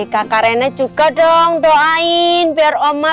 kayak nedeng nedeng collected di tiangnya